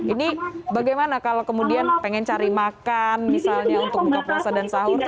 ini bagaimana kalau kemudian pengen cari makan misalnya untuk buka puasa dan sahur